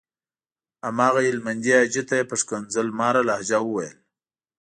هماغه هلمندي حاجي ته یې په ښکنځل ماره لهجه وويل.